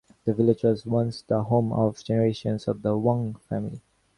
The village was once the home of generations of the Wong family.